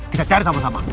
kita cari sama sama